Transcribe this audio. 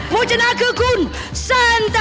ผู้ชนาคือคือสันตนะ